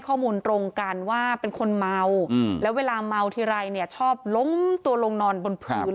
ข้อมูลตรงกันว่าเป็นคนเมาแล้วเวลาเมาทีไรเนี่ยชอบล้มตัวลงนอนบนพื้น